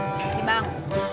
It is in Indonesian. terima kasih bang